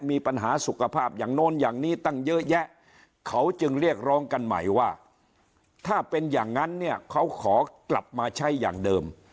มีปัญหาสุขภาพอย่างโน้นอย่างนี้ตั้งเยอะแยะเขาจึงเรียกร้องกันใหม่ว่าถ้าเป็นอย่างนั้นเนี่ยเขาขอกลับมาใช้อย่างเดิม